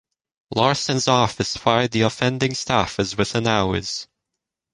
Larsen's office fired the offending staffers within hours.